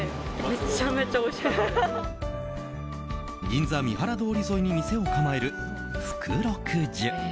銀座三原通り沿いに店を構える福禄壽。